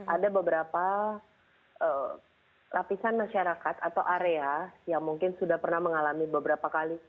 ada beberapa lapisan masyarakat atau area yang mungkin sudah pernah mengalami beberapa kali